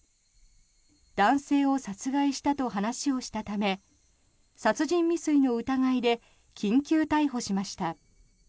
男性を殺害したと話をしたため殺人未遂の疑いで緊急逮捕しました。